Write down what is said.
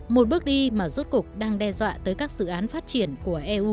một bước đi mà rốt cục đang đe dọa tới các dự án phát triển của eu